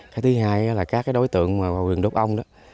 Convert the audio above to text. cái thứ hai là các đối tượng quyền đốt ong